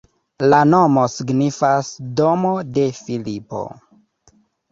La nomo signifas domo de Filipo.